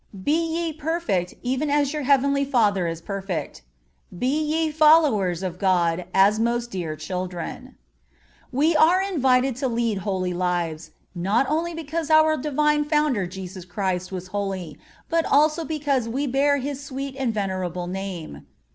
(33) "Be ye perfect, even as your heavenly Father is perfect."(34) "Be ye followers of God as most dear children."(35) We are invited to lead holy lives, not only because our Divine Founder, Jesus Christ, was holy, but also because we bear His sweet and venerable name.